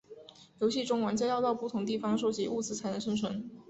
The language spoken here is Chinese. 游戏中玩家要到不同地方搜集物资才能生存。